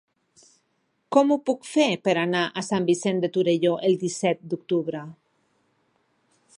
Com ho puc fer per anar a Sant Vicenç de Torelló el disset d'octubre?